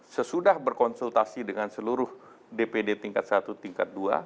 sesudah berkonsultasi dengan seluruh dpd tingkat satu tingkat dua